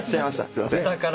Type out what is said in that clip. すみません。